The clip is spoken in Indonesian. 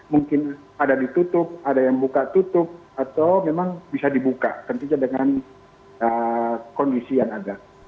mungkin ada ditutup ada yang buka tutup atau memang bisa dibuka tentunya dengan kondisi yang ada